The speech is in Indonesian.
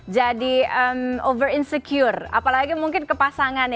jadi over insecure apalagi mungkin ke pasangan ya